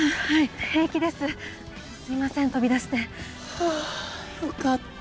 はあよかった！